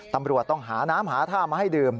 ตำรวจต้องหาน้ำหาท่ามาให้ดื่ม